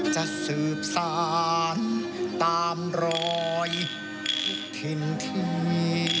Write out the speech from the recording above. จะสืบสานตามรอยทิ้นเทีย